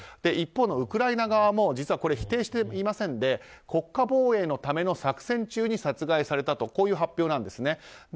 一方のウクライナ側もこれを否定していなくて国家防衛のための作戦中に殺害されたとこういう発表なんです。